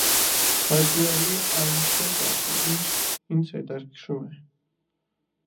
Բայց դու էլի այն չես ասում, ինչ որ ինձ է հետաքրքրում: